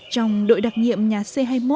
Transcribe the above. trong đội đặc nhiệm nhà sản